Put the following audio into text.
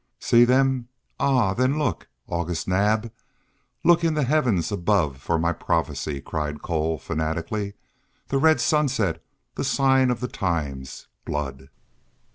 "See them? Ah! then look, August Naab, look in the heavens above for my prophecy," cried Cole, fanatically. "The red sunset the sign of the times blood!"